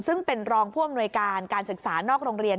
ซึ่งเป็นรองผู้อำนวยการการศึกษานอกโรงเรียน